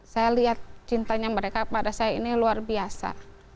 saya lihat cintanya mereka pada saya ini luar biasa